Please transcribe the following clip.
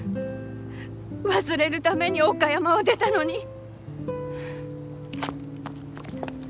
忘れるために岡山を出たのに。